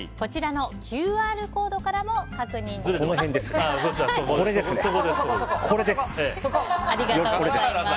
ＱＲコードからも確認できます。